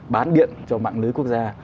bán điện cho mạng lưới quốc gia